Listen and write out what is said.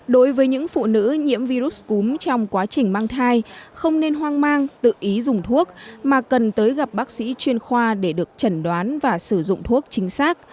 đối với những phụ nữ nhiễm virus cúm trong quá trình mang thai không nên hoang mang tự ý dùng thuốc mà cần tới gặp bác sĩ chuyên khoa để được chẩn đoán và sử dụng thuốc chính xác